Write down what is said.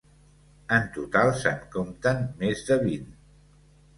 En total se'n compten més de vint.